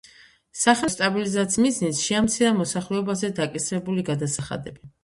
სახელმწიფოს სტაბილიზაციის მიზნით შეამცირა მოსახლეობაზე დაკისრებული გადასახადები.